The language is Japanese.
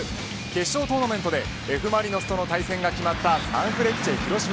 決勝トーナメントでＦ・マリノスとの対戦が決まったサンフレッチェ広島。